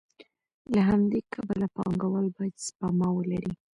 له همدې کبله پانګوال باید سپما ولري